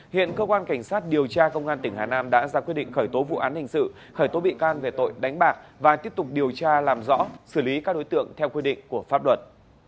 hiện cơ quan cảnh sát điều tra công an tỉnh hà nam đã ra quyết định khởi tố vụ án hình sự khởi tố bị can về tội đánh bạc và tiếp tục điều tra làm rõ xử lý các đối tượng theo quy định của pháp luật